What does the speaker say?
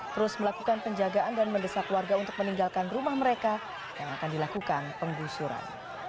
terus melakukan penjagaan dan mendesak warga untuk meninggalkan rumah mereka yang akan dilakukan penggusuran